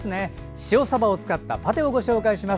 塩さばを使ったパテご紹介します。